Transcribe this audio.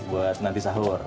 ini buat nanti sahur